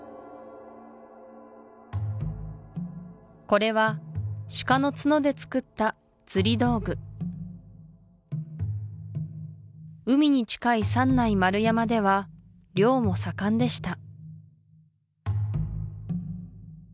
これはシカの角で作った釣り道具海に使い三内丸山では漁も盛んでした